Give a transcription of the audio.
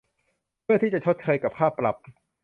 เพื่อที่จะชดเชยกับค่าปรับ